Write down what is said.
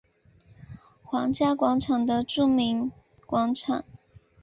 皇家广场的著名广场。